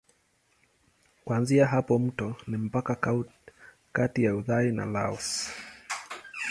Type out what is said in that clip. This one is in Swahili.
Kuanzia hapa mto ni mpaka kati ya Uthai na Laos.